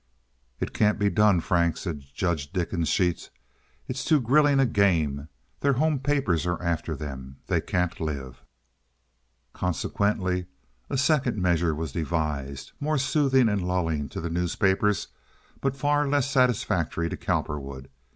"It can't be done, Frank," said Judge Dickensheets. "It's too grilling a game. Their home papers are after them. They can't live." Consequently a second measure was devised—more soothing and lulling to the newspapers, but far less satisfactory to Cowperwood.